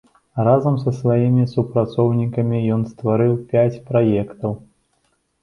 Разам са сваімі супрацоўнікамі ён стварыў пяць праектаў.